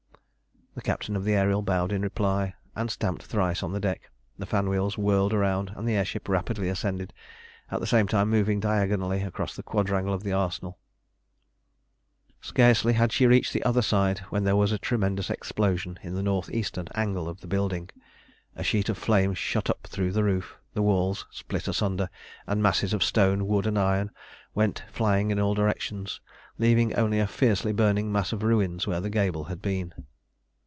The captain of the Ariel bowed in reply, and stamped thrice on the deck. The fan wheels whirled round, and the air ship rapidly ascended, at the same time moving diagonally across the quadrangle of the Arsenal. Scarcely had she reached the other side when there was a tremendous explosion in the north eastern angle of the building. A sheet of flame shot up through the roof, the walls split asunder, and masses of stone, wood, and iron went flying in all directions, leaving only a fiercely burning mass of ruins where the gable had been.